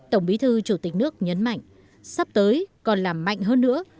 tổng bí thư chủ tịch nước nhấn mạnh sắp tới còn làm mạnh hơn nữa